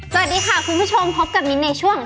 สวัสดีค่ะคุณผู้ชมพบกับมิ้นในช่วง